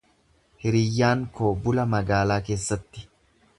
Hiriyyaan koo bula magaalaa keessatti.